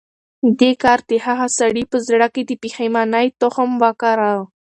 دې کار د هغه سړي په زړه کې د پښېمانۍ تخم وکره.